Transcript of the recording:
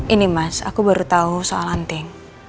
ini mas aku baru tahu soal lantai